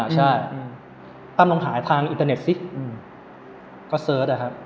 ใช่ตั้มลองหาทางอินเทอร์เน็ตซิก็เสิร์ชอะครับ